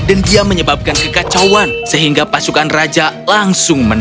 dan ia menyebabkan kekacauan sehingga pasukan raja langsung menang